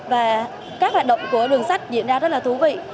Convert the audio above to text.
và các hoạt động của đường sách diễn ra rất là thú vị